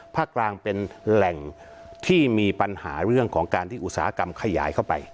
ภาคกลางเป็นแหล่งที่มีปัญหาเรื่องของการที่อุตสาหกรรมขยายเข้าไป